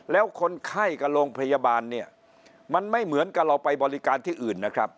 แล้วคนไข้กับโรงพยาบาลเนี่ยมันไม่เหมือนกับเราไปบริการที่อื่นนะครับ